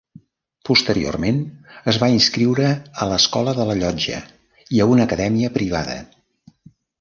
Posteriorment es va inscriure a l'Escola de la Llotja i a una acadèmia privada.